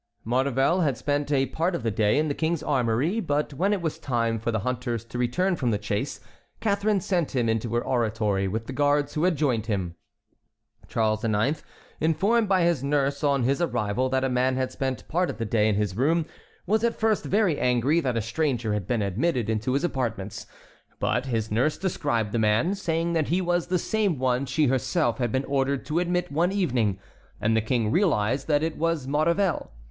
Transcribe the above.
Maurevel had spent a part of the day in the King's armory; but when it was time for the hunters to return from the chase Catharine sent him into her oratory with the guards who had joined him. Charles IX., informed by his nurse on his arrival that a man had spent part of the day in his room, was at first very angry that a stranger had been admitted into his apartments. But his nurse described the man, saying that he was the same one she herself had been ordered to admit one evening, and the King realized that it was Maurevel.